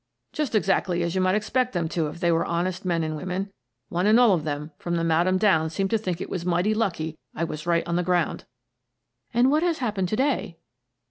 " Just exactly as you might expect them to if they were honest men and women — one and all of them, from the madam down, seemed to think it was mighty lucky I was right on the ground." "And what has happened to day?"